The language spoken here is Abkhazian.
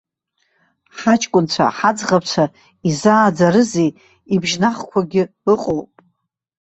Ҳаҷкәынцәа, ҳаӡӷабцәа, изааӡарызеи ибжьнахқәогьы ыҟоуп.